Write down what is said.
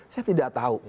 saya tidak tahu